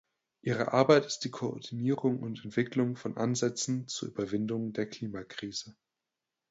Ihre Arbeit ist die Koordinierung und Entwicklung von Ansätzen zur Überwindung der Klimakrise.